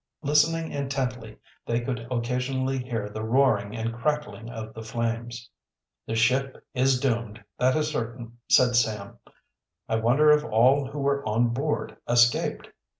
Listening intently, they could occasionally hear the roaring and crackling of the flames. "The ship is doomed, that is certain," said Sam. "I wonder if all who were on board escaped?"